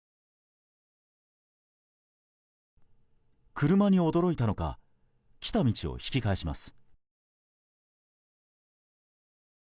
車に驚いたのか来た道を引き返します。